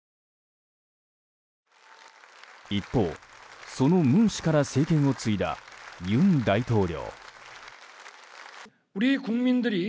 一方、その文氏から政権を継いだ尹大統領。